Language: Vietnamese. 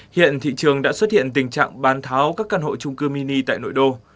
hiện thị trường đã xuất hiện tình trạng bán tháo các căn hộ trung cư mini tại nội đô